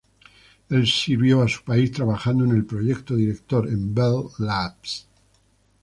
Él sirvió a su país trabajando en el "Proyecto Director" en Bell Labs.